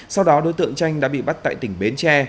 sau đó đối tượng tranh đã bị bắt tại tỉnh bến tre